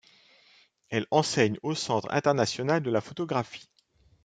Elle enseigne au Centre international de la photographie.